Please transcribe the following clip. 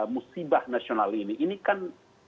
musibah nasional ini ini kan